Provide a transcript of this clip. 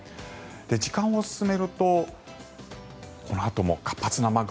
時間を進めるとこのあとも活発な雨雲